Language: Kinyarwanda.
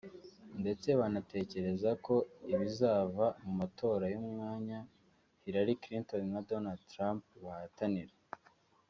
ndetse banatekereza ko ibizava mu matora y’umwanya Hillary Clinton na Donald Trump bahatanira